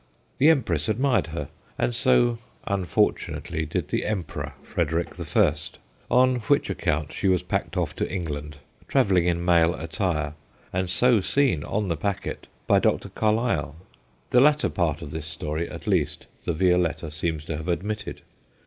The Empress admired her, and so, unfortunately, did the Emperor Frederick i., on which account she was packed off to England, travelling in male attire, and so seen on the packet by Dr. Carlyle. The latter part of this story, at least, the Violetta seems to have admitted.